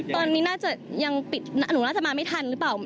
หนูราจจะมาไม่ทันหรือเปล่า